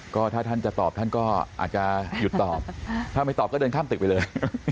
ก็ถ้าท่านจะตอบท่านก็อาจจะหยุดตอบถ้าไม่ตอบก็เดินข้ามตึกไปเลย